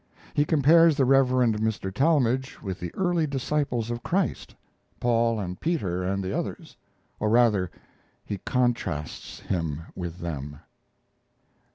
He compares the Reverend Mr. Talmage with the early disciples of Christ Paul and Peter and the others; or, rather, he contrasts him with them.